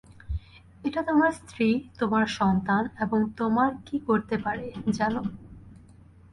এটা তোমার স্ত্রী, তোমার সন্তান এবং তোমার কী করতে পারে, জানো?